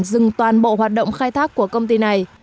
dừng toàn bộ hoạt động khai thác của công ty này